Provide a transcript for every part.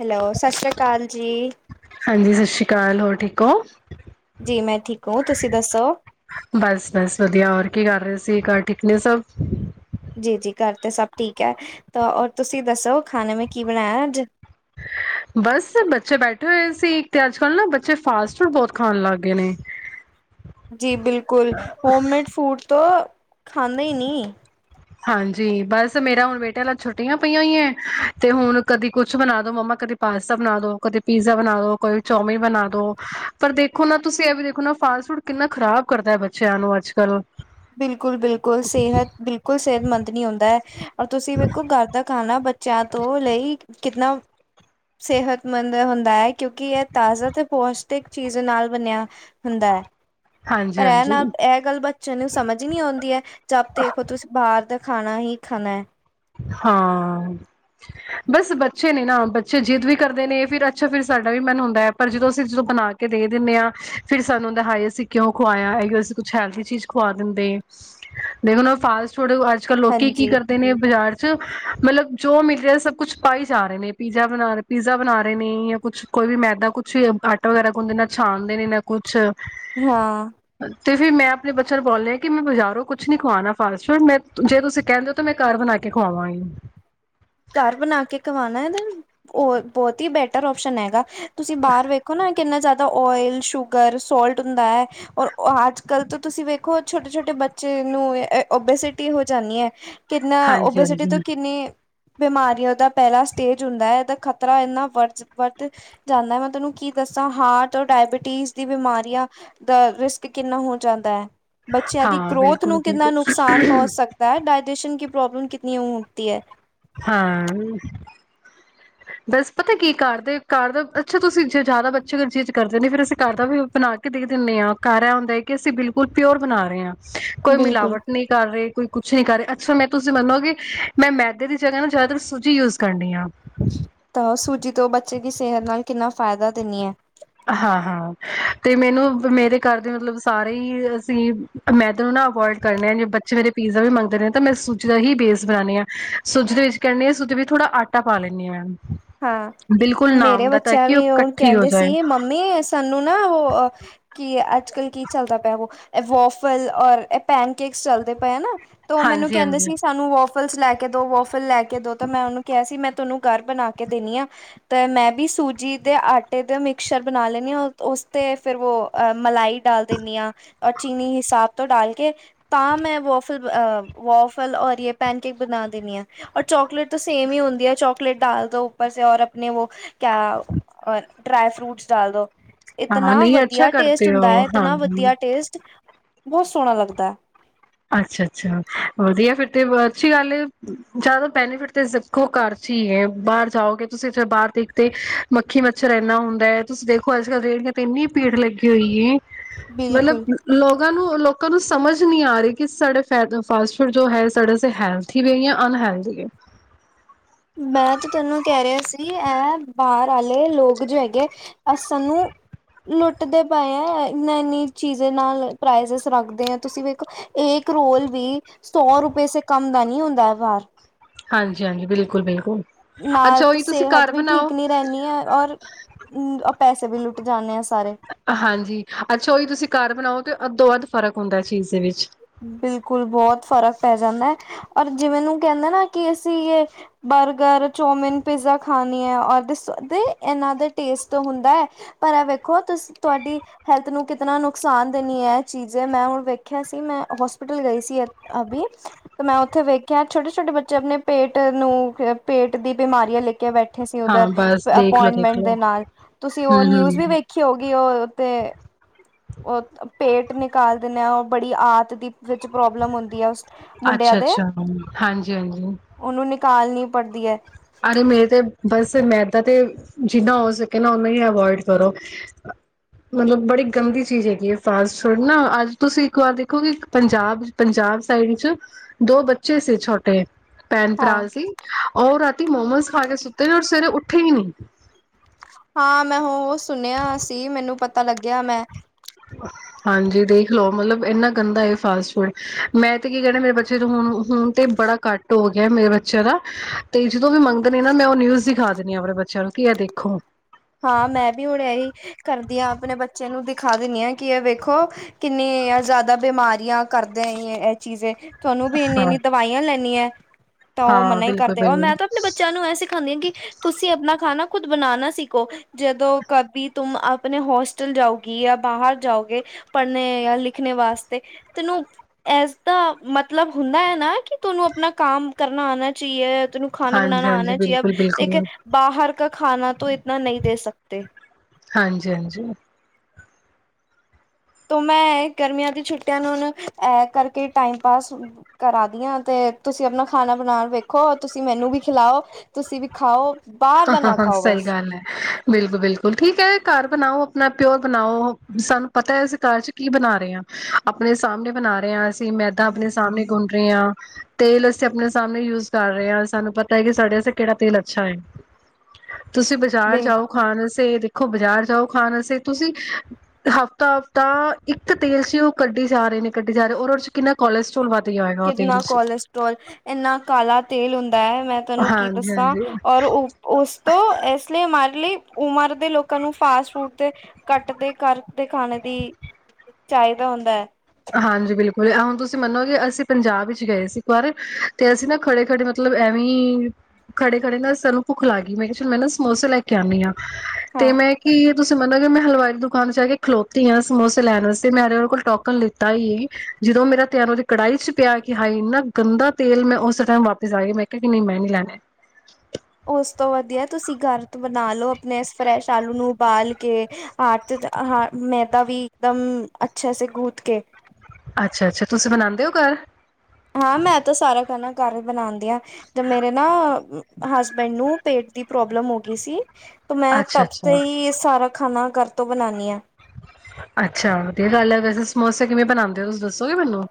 Hello, ਸਸ ਸ੍ਰੀ ਅਕਾਲ ਜੀ। ਹਾਂਜੀ ਸਸ਼ ਸ਼੍ਰੀ ਅਕਾਲ, ਹੋਰ ਠੀਕ ਹੋ? ਜੀ ਮੈਂ ਠੀਕ ਹੂ। ਤੁਸੀਂ ਦੱਸੋ? ਬਸ ਬਸ ਵਧੀਆ ਹੋਰ ਕੀ ਕਰ ਰਹੇ ਸੀ? ਘਰ ਠੀਕ ਨੇ ਸਭ। ਜੀ-ਜੀ ਘਰ ਤੇ ਸਭ ਠੀਕ ਐ ਤਾਂ ਔਰ ਤੁਸੀਂ ਦੱਸੋ? ਖਾਣੇ ਮੇ ਕੀ ਬਣਾਇਆ ਅੱਜ? ਠੇ ਹੋਏ ਸੀ, ਇੱਕ ਤੇ ਅੱਜ -ਕੱਲ ਨਾ ਬੱਚੇ ਫਾਸਟ ਫ ਬਹੁਤ ਖਾਣ ਲੱਗ ਗਏ ਨੇ। ਜੀ ਬਿਲਕੁਲ ਹੋਮ ਮੇਡ ਫੂਡ ਤੋਂ ਖਾਂਦੇ ਹੀ ਨੀ। ਹਾਂਜੀ, ਬਸ ਮੇਰਾ ਹੁਣ ਬੇਟਾ ਨੇ ਛੁੱਟੀਆਂ ਪਈਆਂ ਹੋਈ ਹੈ ਤੇ ਹੁਣ ਕਦੀ ਕੁਛ ਬਣਾ ਦੋ ਮੰਮਾ ਕਦੇ ਪਾਸਤਾ ਬਣਾ ਦੋ, ਕਦੇ ਪੀਜ਼ਾ ਬਣਾ ਦੋ, ਕਦੇ ਚੋਮੀਨ ਬਣਾ ਦੋ, ਪਰ ਦੇਖੋ ਨਾ ਤੁਸੀਂ ਐ ਵੀ ਦੇਖੋ ਨਾ ਫਾਸਟ ਫੂਡ ਕਿੰਨਾ ਖਰਾਬ ਕਰਦਾ ਬੱਚਿਆਂ ਨੂੰ ਅੱਜ- ਕੱਲ੍ਹ। ਬਿਲਕੁਲ-ਬਿਲਕੁਲ ਸਿਹਤ ਬਿਲ ਕੋਈ ਸਿਹਤਮੰਦ ਨੀ ਹੁੰਦਾ ਐ। ਔਰ ਤੁਸੀਂ ਵੇਖੋ ਘਰ ਦਾ ਖਾਣਾ ਬ ੱਚਿਆਂ ਤੋਂ ਲਈ ਕਿਤਨਾ ਸਿਹਤਮੰਦ ਹੁੰਦਾ ਹੈ ਕਿਉਂਕਿ ਇਹ ਤਾਜ਼ਾ ਤੇ ਪੌਸ਼ਟਿਕ ਚੀਜ਼ ਨਾਲ ਬਣਿਆ ਹੁੰਦਾ ਹੈ। ਹਾਂਜੀ ਪਰ ਇਹ ਨਾ ਹਾਂਜੀ ਇਹ ਗੱਲ ਬੱਚੇ ਤੈਨੂੰ ਸਮਝ ਨੀ ਆਉਂਦੀ ਹੈ ਜਦ ਦੇਖੋ ਤੁਸੀਂ ਬਾਹਰ ਤਾਂ ਖਾਣਾ ਹੀ- ਖਾਣਾ ਹੈ। ਹਾਂ, ਬਸ ਬੱਚੇ ਨੇ ਨਾ ਬੱਚੇ ਜਿੱਤ ਵੀ ਕਰਦੇ ਨੇ ਫਿਰ ਅੱਛਾ, ਫਿਰ ਹਾਂ, ਬਸ ਬੱਚੇ ਹੀ ਨੇ ਨਾ ਬੱਚੇ ਜ਼ਿੱਦ ਵੀ ਕਰਦੇ ਨੇ ਨਾ ਅੱਛਾ, ਫਿਰ ਸਾਡਾ ਵੀ ਮਨ ਹੁੰਦਾ ਹੈ ਪਰ ਜਦੋਂ ਅਸੀਂ ਜਦੋਂ ਬਣਾ ਕੇ ਦੇ ਦਿੰਦੇ ਹਾਂ ਫਿਰ ਸਾਨੂੰ ਹੁੰਦਾ ਹਾਏ ਅਸੀਂ ਕਿਉਂ ਖਵਾਇਆ ਹੈਗੇ ਅਸੀਂ ਕੁਛ ਹੈਲੀਦੀ ਚੀਜ਼ ਖਵਾ ਦਿੰਦੇ ਤੇ ਹੁਣ ਫਾਸਟ ਥੋੜ੍ਹੇ ਅੱਜ ਕੱਲ੍ਹ ਲੋਕੀ ਕੀ ਹਾਂਜੀ ਕਰਦੇ ਨੇ ਮਤਲਬ ਜੋ ਮਿਲ ਰਿਹਾ ਸਭ ਕੁਛ ਪਾਈ ਜਾ ਰਹੇ ਨੇ ਪੀਜ਼ਾ ਬਣਾ- ਪੀਜ਼ਾ ਬਣਾ ਰਹੇ ਨੇ ਜਾਂ ਕੁਛ ਕੋਈ ਵੀ ਮੈਦਾ ਕੁਛ ਆਟਾ ਵਗੈਰਾ ਗੁਦਦੇ ਨਾ ਛਣਦੇ ਨੇ ਨਾ ਕੁਛ ਹਾਂ। ਤੇ ਫਿਰ ਮੈਂ ਆਪਣੇ ਬੱਚਿਆਂ ਨੂੰ ਬੋਲਿਆ ਰਿਹਾ ਕਿ ਮੈਂ ਬਜ਼ਾਰੋਂ ਕੁੱਛ ਨ ਖਵਾਉਣਾ ਫਾਸਟ ਫੂਡ ਮੈਂ ਜੇ ਤੁਸੀਂ ਕਹਿੰਦੇ ਹੋ ਤਾਂ ਮੈਂ ਘਰ ਬਣਾ ਕੇ ਕੇ ਖਵਾਂਗੀ। ਘਰ ਬਣਾ ਕੇ ਖਵਾਣਾ ਦਾ ਉਹ ਬਹੁਤ ਹੀ ਬੈਟਰ ਓਪਸ਼ਨ ਹੈਗਾ। ਤੁਸੀਂ ਬਾਹਰ ਵੇਖੋ ਨਾ ਕਿੰਨਾ ਜ਼ਿਆਦਾ ਓਇਲ, ਸ਼ੂਗਰ, ਸੋਲਟ ਹੁੰਦਾ ਹੈ ਔਰ ਅੱਜ ਕੱਲ ਤੋਂ ਤੁਸੀਂ ਵੇਖੋ ਛੋਟੇ ਛੋਟੇ ਬੱਚੇ ਨੂੰ ਓਬੇਸਿਟੀ ਹੋ ਜਾਂਨੀ ਏ। ਕਿੰਨਾ ਹਾਂਜੀ ਉਓਬੇ ਸਿਟੀ ਤੋਂ ਹਾਂਜੀ ਕਿੰਨੀ ਬਿਮਾਰੀਆਂ ਦਾ ਪਹਿਲਾ ਸਟੇਜ ਹੁੰਦਾ ਹੈ ਇਹਦਾ ਖਤਰਾ ਇਨਾ ਵੱਧ ਜਾਂਦਾ ਹੈ ਮੈਂ ਤੁਹਨੂੰ ਕੀ ਦੱਸਾਂ ਹਾਰਟ ਰ ਡਾਇਬਟੀਜ਼ ਦੀ ਬਿਮਾਰੀਆਂ ਦਾ ਰਿਸਕ ਕਿੰਨਾ ਹੋ ਜਾਂਦਾ ਹੈ ਬੱਚਿਆਂ ਦੀ ਹਾਂ ਗਰੋਥ ਬਿਲਕੁਲ ਨੂੰ ਬਿਲਕੁਲ ਕਿੰਨਾ ਨੁਕਸਾਨ ਪਹੁੰਚ ਸਕਦਾ ਹੈ ਡਾਇਜਸ਼ਨ ਪ੍ਰੋਬਲਮ ਕਿਤਨੀ ਉ ਉੱਠਤੀ ਹੈ। ਹਾਂ ਬਸ ਪਤਾ ਕੀ ਕਰਦੇ ਘਰ ਦਾ ਅੱਛਾ ਤੁਸੀਂ ਜੇ ਜ਼ਿਆਦਾ ਬੱਚੇਗੇ ਜ਼ਿਦ ਕਰਦੇ ਨੇ ਫੇਿਰ ਅਸੀਂ ਘਰ ਦਾ ਵੀ ਬਣਾ ਕੇ ਦੇ ਦਿੰਦੇ ਹਾਂ ਘਰ ਇਹ ਹੁੰਦਾ ਹੈ ਕਿ ਅਸੀਂ ਬਿਲਕੁਲ ਪਿਓਰ ਬਣਾ ਰਹੇ ਹਾਂ। ਕੋਈ ਬਿਲਕੁਲ ਮਿਲਾਵਟ ਨਹੀਂ ਕਰ ਰਹੇ। ਕੋਈ ਕੁਛ ਨੀ ਕਰ ਰਹਾ ਅੱਛਾ ਮੈਂ ਤੁਸੀਂ ਮੰਨੋਗੇ ਮੈਂ ਮੈਦੇ ਦੀ ਜਗ੍ਹਾ ਨਾ ਜ਼ਿਆਦਾਤਰ ਸੂਜੀ ਯੂਜ ਕਰਨੀ ਹਾਂ। ਤਾਂ ਸੂਜੀ ਤੋਂ ਬੱਚੇ ਦੀ ਸਿਹਤ ਨਾਲ ਕਿੰਨਾ ਫ਼ਾਇਦਾ ਦਿੰਦੀ ਹੈ। ਹਾਂ ਹਾਂ ਤੇ ਮੈਨੂੰ ਮੇਰੇ ਘਰ ਦੇ ਮਤਲਬ ਸਾਰੇ ਹੀ ਅਸੀਂ ਮੈਦਨ ਨੂੰ ਨਾ ਤੇ ਮੈਨੂੰ ਮੇਰੇ ਘਰ ਦੇ ਸਾਰੇ ਮੈਲੇ ਨੂੰਅਵੋਇਡ ਕਰਨੇ ਹਾਂ ਜੇ ਬੱਚੇ ਮੇਰੇ ਪੀਜ਼ਾ ਵੀ ਮੰਗਦੇ ਨੇ ਤਾਂ ਮੈਂ ਸੂਜੀ ਦਾ ਹੀ ਬੇਸ ਬਣਾਉਦੀ ਹਾਂ ਸੂਜੀ ਦੇ ਵਿੱਚ ਕਹਿੰਦੇ ਸੂ ਵਿੱਚ ਥੋੜ੍ਹਾ ਆਟਾ ਪਾ ਲੈਂਦੀ ਹਾਂ ਮ ਹਾਂ ਮੇਰੇ ਬੱਚਿਆਂ ਕਿ ਉਹ ਵੀ ਹੁਣ ਇਕੱਠੀ ਹੋ ਕਹਿੰਦੇ ਜਾਏ ਸੀ ਮੰਮੀ ਸਾਨੂੰ ਨਾ ਉਹ ਕੀ ਅੱਜ ਕੱਲ ਕੀ ਚੱਲਦਾ ਪਿਆ ਵ ਇਹ ਵੋਫਲ ਔਰ ਇਹ ਪੈਨਕੇਕਸ ਚੱਲਦੇ ਪਏ ਨਾ ਤੋ ਮੈਨੂੰ ਹਾਂਜੀ ਕਹਿੰਦੇ ਹਾਂਜੀ ਸੀ ਸਾਨੂੰ ਫਲਸ ਲੈ ਕੇ ਦੋ ਵੋਫਲ ਲੈ ਕੇ ਦੋ ਤਾਂ ਮੈਂ ਉਹਨੂੰ ਕਿਹਾ ਸੀ ਮੈਂ ਤੁਹਾਨੂੰ ਘਰ ਬਣਾ ਕੇ ਹਾਂ ਤੇ ਮੈਂ ਵੀ ਸੂਜੀ ਦੇ ਆਟੇ ਦੇ ਮਿਕਚਰ ਬਣਾ ਲੈਂਣੀ ਹਾਂ ਉਸ ਤੇ ਮੈਂ ਵੀ ਸੂਜੀ ਤੇ ਆਟੇ ਦਾ ਮਿਕਸਰ ਬਣਾ ਦੇਂਦੀ ਆਫਿਰ ਮਲਾਈ ਡਾਲ ਦਿੰਦੀ ਆਾਂ ਔਰ ਚੀਨੀ ਹਿਸਾਬ ਤੋਂ ਡਾਲ ਕੇ ਤਾਂ ਮੈਂ ਵੋਫਲ ਅਹ ਵੋਫਲ ਔਰ ਪੈਨਕੇਕ ਬਣਾ ਦਿੰਦੀ ਹਾਂ ਔਰ ਚੋਕਲੇਟ ਤੋਂ ਸੇਮ ਹੀ ਹੁੰਦੀ ਆ ਚੋਕਲੇਟ ਡਾਲ ਦੋ। ਉੱਪਰ ਸੇ ਔਰ ਆਪਣੇ ਵ ਕਿਆ ਡਰਾਾਈ ਫਰੂਟਸ ਡਾਲ ਦੋ ਹਾਂ ਇਤਨਾ ਨਹੀਂ ਅੱਛਾ ਵਧੀਆ ਟੇਸਟ ਕਰਦੇ ਹੁੰਦਾ ਹੋ ਹੈ ਹਾਂ ਇਤਨਾ ਵਧੀਆ ਟੇਸਟ ਬਹੁਤ ਸੋਹਣਾ ਲੱਗਦਾ। ਅੱਛਾ ਅੱਛਾ ਵਧੀਆ ਫਿਰ ਤੇ ਅੱਛੀ ਗੱਲ ਹੈ ਜ਼ਿਆਦਾ ਬੈਨੀਫਿਟ ਅੱਛਾ! ਅੱਛਾ ਵਧੀਆ ਫਿਰ ਤੇ ਇਹ ਅੱਛੀ ਗੱਲ ਹੈ ਸਿੱਖੋ ਘ ਚ ਹੀ ਹੈ ਬਾਹਰ ਜਾਓਗੇ ਤੁਸੀਂ ਬਾਹਰ ਦੇਖਦੇ ਮੱਖੀ ਮੱਛਰ ਇੰਨਾ ਹੁੰਦਾ ਹੈ ਤੁਸੀਂ ਦੇਖੋ ਅੱਜ ਕੱਲ ਰੇਹੜੀਆਂ ਤੇ ਇੰਨੀ ਭੀੜ ਲੱਗੀ ਹੋਈ ਹੈ ਮਤਲਬ ਬਿਲਕੁਲ ਲੋਕਾਂ ਨੂੰ ਲੋਕ ਲੋਕਾਂ ਨੂੰ ਸਮਝ ਨਹੀਂ ਆ ਰਹੀ ਕਿ ਸਾਡੇ ਫ ਫਾਸਟ ਫੂਡ ਜੋ ਹੈ ਸਾਡੇ ਹੈਲਥੀ ਵੀ ਜਾਂ ਅਨਹੈਲਦੀ ਏ। ਮੈਂ ਤਾਂ ਤੈਨੂੰ ਕਹਿ ਰਿਹਾ ਸੀ ਇਹ ਬਾਹਰ ਆਲੇ ਲੋਕ ਜੋ ਹੈਗੇ ਅ ਸਾਨੂੰ--ਲੁੱਟਦੇ ਪਏ ਆ ਇਨਾ ਇਨੀ ਚੀਜ਼ ਨਾਲ ਪ੍ਰਾਈਜ ਰੱਖਦੇ ਆ ਤੁਸੀਂ ਵੇਖੋ ਏ ਰੋਲ ਵੀ ਸੌ ਰੁਪਏ ਸ ਕਮ ਦਾ ਨੀ ਹੁੰਦਾ ਹੈ ਬਾਹਰ ਹਾਂਜੀ-ਹਾਂਜੀ। ਬਿਲਕੁਲ-ਬਿਲਕੁਲ। ਨਾਲ ਤਾਂ ਸਿਹਤ ਵੀ ਠੀਕ ਨੀ ਰਹਿੰਦੀ ਹੈ ਔਰ ਪੈਸੇ ਵੀ ਲੁੱਟ ਜਾਂਦੇ ਹ ਹਾਂਜੀ। ਅੱਛਾ ਉਹੀ ਤੁਸੀਂ ਘਰ ਬਣਾਓ ਤੇ ਅੱਧੋ ਵੱਧ ਫਰਕ ਹੁੰਦਾ ਹੈ ਚੀਜ਼ ਦੇ ਵਿੱਚ ਬਿਲਕੁਲ ਬਹੁਤ ਫ਼ਰਕ ਪੈ ਜਾਂਦਾ ਏ ਔਰ ਜਿਵੇਂਨ ਕਹਿੰਦਾ ਨਾ ਕਿ ਅਸੀਂ ਇਹ ਬਰਗਰ, ਚੋਮਿਨ, ਪੀਜ਼ਾ ਖਾਣੀ ਹੈ ਔਰ ਇਹਨਾਂ ਦੇ ਟੇਸਟ ਹੁੰਦਾ ਹੈ ਪਰ ਇਹ ਵੇਖੋ ਤੁ ਤੁਹਾਡੀ ਹੈਲਥ ਨੂੰ ਕਿਤਨਾ ਨੁਕਸਾਨ ਦੇਣੀ ਹੈ ਇਹ ਚੀਜ਼ ਮੈਂ ਹੁਣ ਵੇਖਿਆ ਸੀ ਮੈਂ ਹੋਸਪਿਟਲ ਗਈ ਸੀ ਅਭੀ ਤੇ ਮੈਂ ਉੱਥੇ ਵੇਖਿਆ ਛੋਟੇ-ਛੋਟੇ ਬੱਚੇ ਆਪਣੇ ਪੇਟ ਨੂੰ ਪੇਟ ਦੀ ਬਿਮਾਰੀਆਂ ਲੈ ਕੇ ਬੈਠੇ ਬੈਠੇ ਸੀ ਉਧਰ ਹਾਂ ਬਸ ਦੇਖ ਲੋ ਦੇਖ ਅਪਇੰਟਮੈਂਟ ਲੋ ਦੇ ਨਾਲ ਤੁਸੀਂ ਹੂੰ ਉਹ ਨਿਊਜ ਵੀ ਹੂੰ ਵੇਖੀ ਹੋਗੀ ਉਹ ਤੇ ਉਹ ਪੇਟ ਨਿਕਾਲ ਦਿੰਦੇ ਆ ਉਹ ਬੜੀ ਆਤ ਦੀ ਵਿੱਚ ਪ੍ਰੋਬਲਮ ਹੁੰਦੀ ਹੈ ਉਸ ਮੁੰਡਿਆਂ ਅੱਛਾ ਦੇ ਅੱਛਾ ਹਾਂਜੀ ਹਾਂਜੀ ਨੂੰ ਨ ਕਾਲਨੀ ਪੜਤੀ ਹੈ। ਫਿਰ ਮੈਦਾ ਤੇ ਜਿੰਨਾ ਹੋ ਸਕੇ ਨਾ ਓਨਾ ਹੀ ਅਵੋਇਡ ਕਰੋ ਮਤਲਬ ਬੜੀ ਗੰਦੀ ਚੀਜ਼ ਹੈਗੀ ਹੈ ਫਾਸਟ ਫੂਡ ਨਾ ਅੱਜ ਤੁਸੀਂ ਇੱਕ ਵਾਰ ਦੇਖੋ ਕਿ ਪੰਜਾਬ, ਪੰਜਾਬ ਸਾਈਡ ਚ ਦੋ ਬੱਚੇ ਸੀ ਛੋਟੇ ਭੈਨ ਹਾਂ ਭਰਾਂ ਸੀ ਔਰ ਤੇ ਮੋਮਸ ਖਾ ਕੇ ਸੁੱਤੇ ਨੇ ਰ ਸਵੇਰੇ ਉੱਠੇ ਹੀ ਨਹੀਂ ਹਾਂ ਮੈਂ ਉਹ ਸੁਣਿਆ ਸੀ। ਮੈਨੂੰ ਪਤਾ ਲੱਗਿਆ ਮੈਂ ਹਾਂਜੀ। ਦੇਖ ਲੋ ਮਤਲਬ ਇੰਨਾ ਗੰਦਾ ਫਾਸਟ ਫੂਡ ਮੈਂ ਤੇ ਕੀ ਕਹਿਣਾ ਮੇਰੇ ਬੱਚੇ ਤੋਂ ਹੁਣ ਹੁਣ ਤੇ ਬੜਾ ਕੱਟ ਹੋ ਗਿਆ ਮੇਰੇ ਬੱਚਿਆਂ ਦਾ। ਤੇ ਜਦੋਂ ਵੀ ਮੰਗਦੇ ਨੇ ਨਾ ਮੈਂ ਉਹ ਨਿਊਜ਼ ਸਿਖਾ ਦੇਣੀ ਆ ਆਪਣੇ ਬੱਚਿਆਂ ਨੂੰ ਕੀ ਆ ਦੇਖੋ ਹਾਂ ਮੈਂ ਵੀ ਹੁਣ ਇਹੀ ਕਰਦੀ ਹਾਂ ਆਪਣੇ ਬੱਚੇ ਨੂੰ ਖਾ ਦਿੰਦੇ ਹਾਂ ਕਿ ਇਹ ਵੇਖੋ ਕਿੰਨੀਆਂ ਜ਼ਿਆਦਾ ਬਿਮਾਰੀਆਂ ਕਰਦੇ ਇਹ ਚੀਜ਼ੇ ਤੁਹਾਨੂੰ ਵੀ ਇੰਨੀ ਹਾਂ ਇੰਨੀ ਦਵਾਈਆਂ ਲੈਣੀਆਂ [inaudible] ਤਾਂ ਉਹ ਹਾਂ ਮੰਨਾ ਹੀ ਬਿਲਕੁਲ ਕਰਦੇ ਬਿਲਕੁਲ ਮੈਂ ਤਾਂ ਆਪਣੇ ਬੱਚਿਆਂ ਨੂੰ ਐਸ ਖਾਂਦੀ ਕਿ ਤੁਸੀਂ ਆਪਣਾ ਖਾਣਾ ਖੁਦ ਬਣਾਣਾ ਸਿੱਖ ਖੋ ਜਦੋਂ ਕਵੀ ਤੁਮ ਆਪਣੇ ਹੋਸਟਲ ਜਾਓਗੀ ਜਾਂ ਬਾਹਰ ਜਾਓਗੇ ਪੜ੍ਹਨੇ ਜਾਂ ਲਿਖਣੇ ਵਾਸਤੇ ਤੈਨੂੰ ਇਸਦਾ ਮਤਲਬ ਹੁੰਦਾ ਹੈ ਨਾ ਕਿ ਤੈਨੂੰ ਆਪਣਾ ਕੰਮ ਕਰਨਾ ਆਉਣਾ ਚਾਹੀਏ ਤੁਹਾਨੂੰ ਖਾਣਾ ਹਾਂਜੀ ਬਣਾਉਣਾ ਹਾਂਜੀ ਆਉਣਾ ਚਾਹੀਦਾ ਬਿਲਕੁਲ ਤੇ ਇੱਕ ਬਿਲਕੁਲ ਬਾਹਰ ਖਾਣਾ ਤੋਂ ਨਹੀਂ ਦੇ ਸਕਦੇ ਹਾਂਜੀ ਹਾਂਜੀ ਤੋ ਮੈਂ ਗਰਮੀਆਂ ਦੀ ਛੁੱਟੀਆਂ ਨੂੰ ਹੁਣ ਇਹ ਕਰਕੇ ਟਾਈਮ ਪਾਸਕਰਾਦੀ ਹਾਂ ਤੇ ਤੁਸੀਂ ਆਪਣਾ ਖਾਣਾ ਬਣਾਉਣ ਵੇਖੋ ਤੁਸੀਂ ਮੈਨੂੰ ਵੀ ਖਿਲਾਓ ।ਤੁਸੀਂ ਵੀ ਖਾਓ। ਬਾਹਰ ਦਾ ਹਾਂ-ਹਾਂ ਨਾ -ਹਾਂ ਖਾਓ ਸਹੀ ਬਸ ਗੱਲ ਹੈ ਬਿਲਕੁਲ -ਬਿਲਕੁਲ ਠੀਕ ਹੈ ਘਰ ਬਣਾਓ। ਇਨਾ ਪਿਓਰ ਬਣਾਓ ਸਾਨੂੰ ਪਤਾ ਹੈ ਅਸੀਂ ਘਰ ਚ ਕੀ ਬਣਾ ਰਹੇ ਹਾਂ ਆਪਣੇ ਸਾਹਮਣੇ ਬਣਾ ਰਹੇ ਹਾਂ ਅਸੀਂ ਮੈਦਾ ਆਪਣੇ ਸਾਹਮਣੇ ਗੁੰਨ ਰਹੇ ਹਾਂ ਤੇਲ ਅਸੀਂ ਆਪਣੇ ਸਾਹਮਣੇ ਯੂਜ ਕਰ ਰਹੇ ਹਾਂ ਸਾਨੂੰ ਪਤਾ ਹੈ ਕਿ ਸਾਡੇ ਵਾਸਤੇ ਕਿਹੜਾ ਤੇਲ ਅੱਛਾ ਹੈ। ਤੁਸੀਂ ਬਾਜ਼ਾਰ ਜਾਓ ਬਿਲਕੁਲ ਖਾਣ ਵਾਸਤੇ ਬਾਜ਼ਾਰ ਜਾਓ ਖਾਣ ਵਾਸਤੇ ਤੁਸੀਂ ਹਫ਼ਤਾ -ਹਫ਼ਤਾ ਇੱਕ ਤੇਲ ਵਿੱਚ ਉਹ ਕੱਢੀ ਜਾ ਰਹੇ ਨੇ ਕੱਢੀ ਜਾ ਰਹੇ ਓਦੇ ਚ ਕਿੰਨਾ ਕੋਲੈਸਟ੍ਰੋਲ ਵੱਧ ਗਿਆ ਹੋਏਗਾ ਉਹ ਕਿੰਨਾ ਤੇਲ ਚ ਕੋਲਸਟ੍ਰੋਲ ਇੰਨਾ ਕਾਲਾ ਤੇਲ ਹੁੰਦਾ। ਹੈ ਮੈਂ ਤੁਹਾਨੂੰ ਕੀ ਹਾਂਜੀ ਦੱਸਾਂ ਹਾਂਜੀ ਔਰ ਉਸ ਤੋਂ ਇਸ ਲਈ ਲਈ ਉਮਰ ਦੇ ਲੋਕਾਂ ਨੂੰ ਫਾਸਟ ਫੂਡ ਤੇ ਕੱਟ ਦੇ ਕਰਦੇ ਖਾਣੇ ਦੀ ਚਾਹੀਦਾ ਹੁੰਦਾ ਹੈ। ਹਾਂਜੀ ਬਿਲਕੁਲ ਹੁਣ ਤੁਸੀਂ ਮੰਨੋਗੇ ਅਸੀਂ ਪੰਜਾਬ ਵਿੱਚ ਗਏ ਸੀ ਇੱਕ ਵਾਰ ਤੇ ਅਸੀਂ ਨਾ ਖੜੇ ਖੜੇ ਮਤਲਬ ਐਵੇਂ ਖੜੇ ਖੜੇ ਨਾ ਸਾਨੂੰ ਭੁੱਖ ਲੱਗ ਗਈ ਮੈਂ ਕਿਹਾ ਚਲ ਮੈਂ ਨਾ ਸਮੋਸੇ ਲੈ ਕੇ ਆਉਂਦੀ ਹਾਂ। ਤੇ ਹਾਂ ਮੈਂ ਕਿ ਤੁਸੀਂ ਮੰਨੋ ਗੇ ਮੈਂ ਹਲਵਾਈ ਦੀ ਦੁਕਾਨ ਚ ਜਾ ਕੇ ਖਲੋਤੀ ਹਾਂ ਸਮੋਸੇ ਲੈਣ ਵਾਸਤੇ ਮੈ ਹਜੇ ਓਦੇ ਕੋਲ ਟੋਕਨ ਣ ਲਿੱਤਾ ਸੀ ਜਦੋਂ ਮੇਰਾ ਧਿਆਨ ਉਹਦੀ ਕੜਾਹੀ ਚ ਪਿਆ ਕਿ ਹਾਈ ਇੰਨਾ ਗੰਦਾ ਤੇਲ ਮੈਂ ਉਸ ਟਾਈਮ ਵਾਪਿਸ ਆ ਗਈ ਮੈਂ ਕਿਹਾ ਕਿ ਨਹੀਂ ਮੈਂ ਨੀ ਲੈਣੇ। ਉਸ ਤੋਂ ਵਧੀਆ ਤੁਸੀਂ ਘਰ ਤੋਂ ਬਣਾ ਲੋ ਆਪਣੇ ਇਸ ਫਰੈਸ਼ ਆਲੂ ਨੂੰ ਉਬਾਲ ਕੇ ਹੱਥਾਂ ਨਾਲ ਮੈਦਾ ਵੀ ਇਕਦਮ ਅੱਛਾ ਸ ਗੂਦ ਕੇ। ਅੱਛਾ- ਅੱਛਾ ਤੁਸੀਂ ਬਣਾਉਂਦੇ ਹੋ ਘਰ ਹਾਂ ਮੈਂ ਤਾਂ ਸਾਰਾ ਖਾਣਾ ਘਰ ਬਣਾਉਂਦੀ ਹਾਂ ਜ ਮੇਰੇ ਨਾ ਹਸਬੈਂਡ ਨੂੰ ਪੇਟ ਦੀ ਪ੍ਰੋਬਲਮ ਹੋ ਗਈ ਸੀ। ਮੈਂ ਅੱਛਾ ਤਬ ਤੇ ਅੱਛਾ ਹੀ ਇਹ ਸਾਰਾ ਖਾਣਾ ਘਰ ਤੋਂ ਬਣਾਉਦੀ ਹਾਂ। ਅੱਛਾ ਤੇ ਇਹ ਗੱਲ ਹੈ ਵੈਸੇ ਸਮੋਸੇ ਕਿਵੇਂ ਬਣਾਉਂਦੇ ਹੋ ਤੁਸੀ ਦੱਸੋਗੇ ਮੈਨੂੰ?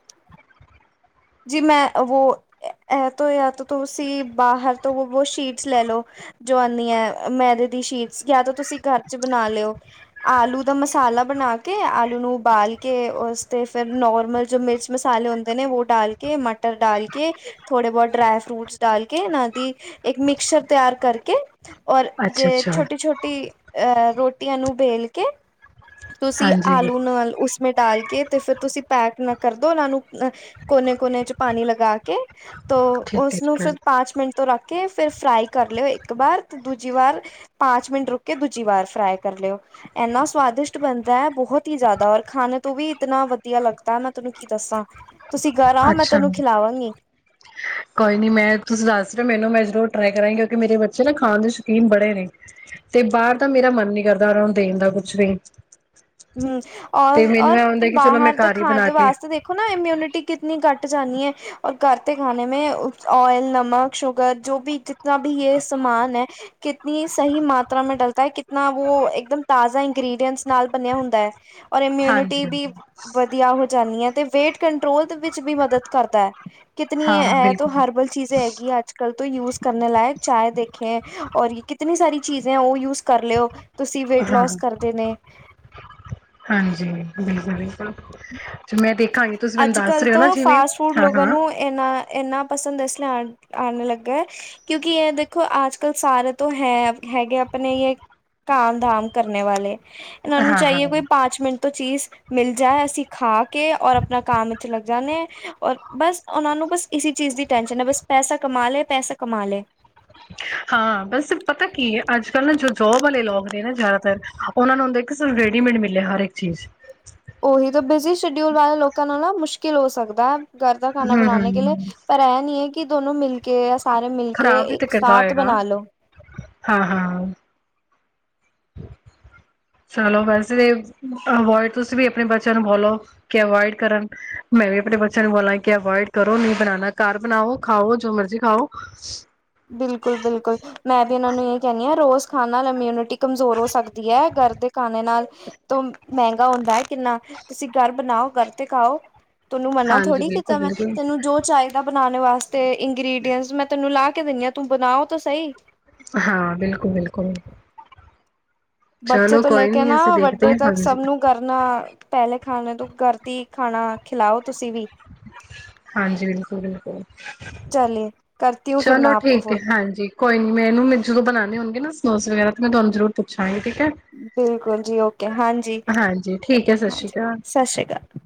ਜੀ ਮੈਂ ਵੋ ਇਹ ਤੋਂ ਯਾਂ ਤੋ ਤੁਸੀਂ ਬਾਹਰ ਤੋਂ ਸ਼ੀਟਸ ਲੈ ਲਓ ਜੋ ਆਂਨੀ ਹੈ ਮੈਦੇ ਦੀ ਸ਼ੀਟਸ ਜਾਂ ਤਾਂ ਤੁਸੀਂ ਘਰ ਚ ਬਣਾ ਲਿਓ ਆਲੂ ਦਾ ਮਸਾਲਾ ਬਣਾ ਕੇ ਆਲੂ ਨੂੰ ਉਬਾਲ ਕੇ ਉਸ ਤੇ ਫਿਰ ਨੋਰਮਲ ਜੋ ਮਿਰਚ ਮਸਾਲੇ ਹੁੰਦੇ ਨੇ। ਡਾਲ ਕੇ ਮਟਰ ਡਾਲ ਕੇ ਥੋੜੇ ਬਹੁਤ ਡਰਾਈ ਫਰੂਟਸ ਡਾਲ ਕੇ ਇਹਨਾਂ ਦੀ ਇੱਕ ਮਿਕਸਚਰ ਤਿਆਰ ਕਰਕੇ। ਔਰ ਅੱਛਾ ਜੇ ਅੱਛਾ ਛੋਟੀ- ਛੋਟੀ ਅਹ ਰੋਟੀਆਂ ਨੂੰ ਬੇਲ ਕੇ ਤੁਸੀਂ ਹਾਂਜੀ ਆਲੂ ਨਾਲ ਉਸਮੇਂ ਡਾਲ ਕੇ ਤੇ ਫਿਰ ਤੁਸੀਂ ਪੈਕ ਨਾ ਕਰਦਉ ਉਹਨਾਂ ਨੂੰ ਅ ਕੋਨੇ ਕੋਨੇ ਚ ਪਾਣੀ ਲਗਾ ਕੇ ਤੋ ਠੀਕ ਹੈ ਉਸਨੂੰ ਠੀਕ ਹੈ ਫਿਰ ਪੰਜ ਮਿੰਟ ਤੋਂ ਰੱਖ ਫਿਰ ਫਰਾਈ ਕਰ ਲਓ ਇੱਕ ਵਾਰ ਦੂਜੀ ਵਾਰ ਪੰਜ ਮਿੰਟ ਰੁਕ ਕੇ ਦੂਜੀ ਵਾਰ ਫਰਾਈ ਕਰ ਲਓ ਇੰਨਾ ਸਵਾਦਿਸ਼ਟ ਬਣਦਾ ਹੈ ਬਹੁਤ ਹੀ ਜ਼ਿਆਦਾ ਔਰ ਖਾਣੇ ਤੋਂ ਵੀ ਇਤਨਾ ਵਧੀਆ ਲੱਗਦਾ ਮੈਂ ਤੁਹਨੂੰ ਕੀ ਦੱਸਾਂ। ਤੁਸੀਂ ਘਰ ਆਓ ਮੈਂ ਅੱਛਾ ਤੈਨੂੰ ਖਿਲਾਵਾਂਗੀ। ਕੋਈ ਨੀ ਮੈਂ ਤੁਸੀਂ ਦੱਸ ਰਹੇ ਹੋ ਮੈਨੂੰ ਮੈਂ ਜ਼ਰੂਰ ਟਰਾਏ ਕਰਾਂਗੀ ਕਿਉਂਕਿ ਮੇਰੇ ਬੱਚੇ ਨਾ ਖਾਣ ਦੇ ਸ਼ੌਕੀਨ ਬੜੇ ਨੇ ਤੇ ਬਾਹਰ ਦਾ ਮੇਰਾ ਮਨ ਨੀ ਕਰਦਾ ਉਹਨਾਂ ਨੂੰ ਦੇਣ ਦਾ ਕੁਛ ਵੀ। ਹਮ ਤੇ ਮੈਨੂੰ ਔਰ-ਔਰ ਇਹ ਹੁੰਦਾ ਕਿ ਚਲੋ ਮੈਂ ਬਾਹਰ ਤਾਂ ਘਰ ਹੀ ਖਾਣ ਬਣਾ ਦੇ ਕੇ ਵਾਸਤੇ ਵੇਖੋ ਨਾ ਇਮਿਊਨਿਟੀ ਕਿਤਨੀ ਘੱਟ ਜਾਣੀ ਹੈ ਔਰ ਘਰ ਦੇ ਖਾਣੇ ਮੇ ਓਇਲ, ਨਮਕ, ਸ਼ੂਗਰ ਜੋ ਵੀ ਜਿਤਨਾ ਵੀ ਇਹ ਸਮਾਨ ਹੈ ਕਿਤਨੀ ਸਹੀ ਮਾਤਰਾ ਮੇ ਡਲਤਾ ਹੈ ਕਿਤਨਾ ਵੋ ਇੱਕਦਮ ਤਾਜ਼ਾ ਇੰਗਰੀਡੀਅਂਟਸ ਨਾਲ। ਬਣਿਆ ਹੁੰਦਾ ਹੈ। ਔਰ ਇਮਿਊਨਿਟੀ ਹਾਂਜੀ ਵੀ ਹਾਂਜੀ ਵਧੀਆ ਹੋ ਜਾਂਨੀ ਹੈ ਅਤੇ ਵੇਟ ਕੰਟਰੋਲ ਦੇ ਵਿੱਚ- ਵਿਚ ਵੀ ਮਦਦ ਕਰਤਾਂ। ਕਿਤਨੀ ਹਾਂ ਹਾਂ ਏ ਜੋ ਬਿਲਕੁਲ ਹਰਬਲ ਚੀਜ਼ ਹੈਗੀ ਅੱਜਕਲ ਤੋ ਯੁਥ- ਕਰਨੇ ਲਾਇਕ ਚਾ ਦੇਖੇ, ਔਰ ਯੇ ਕਿਤਨੀ ਸਾਰੀ ਚੀਜ਼ੇ ਉਹ ਯੂਜ ਕਰ ਲਿਓ। ਤੁਸੀਂ ਹਾਂ ਵੇਟ ਲੋਸ ਹਾਂ ਕਰਦੇ ਨੇ- ਹਾਂਜੀ, ਬਿਲਕੁਲ -ਬਿਲਕੁਲ। ਤੇ ਮੈਂ ਦੇਖਾਂਗੀ ਤੁਸੀਂ ਮੈਨੂੰ ਅੱਜ- ਦੱਸ ਕੱਲ ਰਹੇ ਹੋ ਤੋਂ ਨਾ ਜਿਵੇਂ ਫਾਸਟ ਫੂਡ ਹਾਂ ਲੋਗਾ ਹਾਂ ਨੂੰ, ਇਨਾ ਏਨਾ ਪਸੰਦ ਇਸ ਲਈ ਆ ਆਨੇ ਲੱਗ ਹੈ, ਕਿਉਂਕਿ ਇਹ ਦੇਖੋ ਅੱਜ ਕੱਲ ਸਾਰੇ ਤੋਂ ਹੈ, ਹੈਗੇ ਆਪਣੇ ਇਹ ਕਾਮ- ਦਾਮ ਕਰਨੇ ਵਾਲੇ। ਇਹਨਾਂ ਨੂੰ ਹਾਂ ਚਾਹੀਏ ਕੋਈ ਹਾਂ ਪਾਂਚ ਮਿੰਟ ਤੋਂ, ਚੀਜ਼ ਮਿਲ ਜਾਏ, ਅਸੀਂ ਖਾ ਕੇ ਔਰ ਆਪਣਾ ਕੰਮ ਵਿੱਚ ਲੱਗ ਜਾਂਨੇ, ਓਰ ਬਸ ਉਹਨਾਂ ਨੂੰ ਬਸ, ਇਸ ਚੀਜ਼ ਦੀ ਟੈਂਸ਼ਨ ਹੈ। ਬਸ, ਪੈਸਾ ਕਮਾ ਲੇ- ਪੈਸਾ ਕਮਾ ਲੇ। ਹਾਂ, ਬਸ ਪਤਾ ਕੀ ਹੈ। ਅੱਜ ਕੱਲ ਨਾ, ਜੋ ਜੋਬ ਆਲੇ ਲੋਗ ਨੇ ਜ਼ਿਆਦਾਤਰ ਉਹਨਾਂ ਨੂੰ ਹੁੰਦਾ ਕਿ, ਸਾਨੂੰ ਰੈਡੀਮੇਡ ਮਿਲੇ ਹਰ ਇੱਕ ਚੀਜ਼। ਉਹੀ ਤਾਂ, ਬਿਜ਼ੀ ਸ਼ਡਿਊਲ ਵਾਲੇ ਲੋਕਾਂ ਨਾਲ ਨਾ। ਮੁਸ਼ ਕਿਲ ਹੋ ਸਕਦਾ। ਘਰ ਦਾ ਖਾਨਾ ਹਮ ਬਨਾਨੇ ਕੇ ਲਿਏ ਹਮ ਪਰ ਇਹ ਨਹੀਂ ਹੈ ਕਿ ਦੋਨੋ ਮਿਲ ਕੇ ਸਾਰੇ ਮਿਲ ਕੇ, ਖ਼ਰਾਬ ਵੀ ਤੇ ਇੱਕ ਕਰਦਾ ਸਾਥ ਹੋਏਗਾ ਬਣਾ ਲੋ। ਹਾਂ- ਹਾਂ। ਚਲੋ ਵੈਸੇ ਅਵੋਈਡ, ਤੁਸੀ ਵੀ ਅਪਣੇ ਬੱਚਿਆਂ ਨੂੰ ਬੋਲੋ ਕਿ, ਅਵੋਇਡ ਕਰਨ। ਮੈਂ ਵੀ ਆਪਣੇ ਬੱਚਿਆਂ ਨੂੰ ਬੋਲਾਂ ਕਿ ਅਵੋਇਡ ਕਰੋ, ਨਹੀਂ ਬਣਾਣਾ। ਘਰ ਬਣਾਓ, ਖਾਓ ਜੋ ਮਰਜ਼ੀ ਖਾਓ। ਬਿਲਕੁਲ-ਬਿਲਕੁਲ ਮੈਂ ਵੀ ਇਹਨਾਂ ਨੂੰ ਇਹ ਕਹਿੰਦੀ ਹਾਂ ਰੋਜ਼ ਖਾਣ ਨਾਲ ਇਮਿਊਨਿਟੀ ਕਮਜ਼ੋਰ ਹੋ ਸਕਦੀ ਹੈ। ਘਰ ਦੇ ਖਾਣੇ ਨਾਲ ਮਹਿੰਗਾ ਹੁੰਦਾ ਹੈ, ਕਿੰਨਾ। ਤੁਸੀਂ ਘਰ ਬਣਾਓ, ਘਰ ਤੇ ਖਾਓ। ਤੋਨੂੰ ਮੰਨਾ ਹਾਂਜੀ ਥੋੜੀ ਬਿਲਕੁਲ ਕੀਤਾ ਮੈਂ, ਬਿਲਕੁਲ ਤੈਨੂੰ ਜੋ ਚਾਹੀਦਾ ਬਣਾਣੇ ਵਾਸਤੇ ਤੇ ਇੰਗਰੀਡੀਅਂਟਸ ਮੈ ਤੈਨੂੰ ਲਾ ਕੇ ਦਿੰਨੀ ਆ। ਤੂੰ ਬਣਾਓ ਤੋ ਸਹੀ। ਹਾਂ, ਬਿਲਕੁਲ- ਬਿਲਕੁਲ । ਬੱਚੇ ਤੋਂ, ਲੈ ਕੇ ਨਾ, ਅਸੀਂ ਦੇਖਦੇ ਵੱਡੇ ਹਾਂ ਤੱਕ ਸਭ ਹਾਂਜੀ ਨੂੰ ਕਰਨਾ ਪਹਿਲੇ ਖਾਣੇ ਤੋਂ, ਘਰਦੀ ਖਾਣਾ ਖਿਲਾਓ ਤੁਸੀਂ ਵੀ ਹਾਂਜੀ, ਬਿਲਕੁਲ- ਬਿਲਕੁਲ। ਚੱਲੇ ਕਰਤੀ ਹੂੰ, ਫਿਰ ਚਲੋ ਮੈਂ ਆਪ ਕੋ ਠੀਕ ਹੈ ਫੋਨ। ਹਾਂਜੀ ਕੋਈ ਨੀ, ਮੈਂ ਇਹਨੂੰ ਮ ਜਦੋਂ ਬਨਾਨੇ ਹੋਨਗੇ ਨਾ ਸਮੋਸੇ ਵਗੈਰਾ, ਮੈਂ ਤੁਹਾਨੂੰ ਜਰੂਰ ਪੁੱਛਾਂਗੀ ਠੀਕ। ਹੈ ਬਿਲਕੁਲ ਜੀ, ਓਕੇ, ਹਾਂਜੀ- ਹਾਂਜੀ ਠੀਕ ਹੈ ਸਤਿ ਸ਼੍ਰੀ ਹਾਂਜੀ। ਅਕਾਲ ਸਸਿ ਸ੍ਰੀ ਕਾਲ।